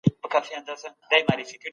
ښوونکی د زده کوونکي حالت ویني.